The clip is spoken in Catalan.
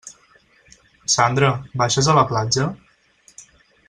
Sandra, baixes a la platja?